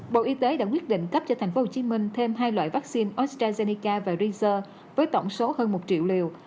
bộ y tế đã quyết định cấp cho tp hcm thêm hai loại vaccine ostrazeneca và renger với tổng số hơn một triệu liều